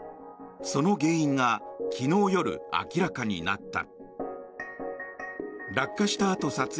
その原因が昨日夜、明らかになった。